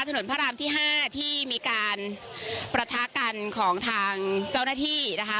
พระรามที่๕ที่มีการประทะกันของทางเจ้าหน้าที่นะคะ